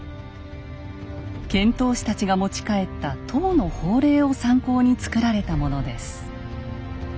遣唐使たちが持ち帰った唐の法令を参考につくられたものです。